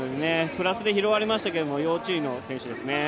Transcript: プラスで拾われましたけど要注意の選手ですね。